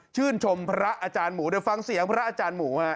ชมพระอาจารย์หมูเดี๋ยวฟังเสียงพระอาจารย์หมูฮะ